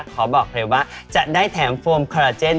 ขอบอกเลยว่าจะได้แถมโฟมคาราเจน